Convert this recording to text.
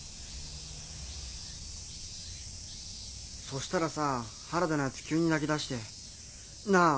そしたらさ原田の奴急に泣きだして。なぁ